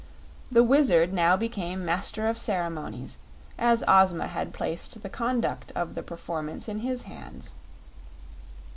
The Wizard now became Master of Ceremonies, as Ozma had placed the conduct of the performance in his hands.